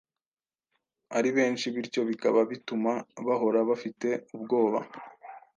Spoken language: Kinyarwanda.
ari benshi bityo bikaba bituma bahora bafite ubwoba